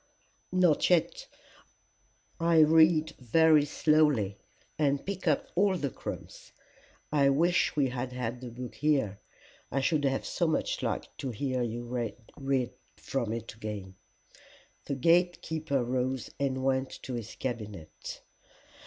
"Not yet. I read very slowly and pick up all the crumbs. I wish we had had the book here. I should have so much liked to hear you read from it again." The gate keeper rose and went to his cabinet.